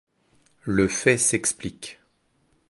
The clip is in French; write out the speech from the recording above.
Le fait s’explique.